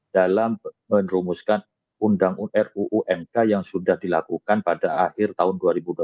dalam menerumuskan ruu mk yang sudah dilakukan pada akhir tahun dua ribu dua puluh